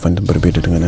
v clar pakai sisa nih